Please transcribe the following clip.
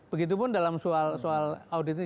begitu pun dalam soal audit ini